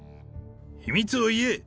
秘密を言え。